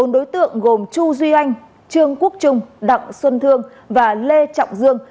bốn đối tượng gồm chu duy anh trương quốc trung đặng xuân thương và lê trọng dương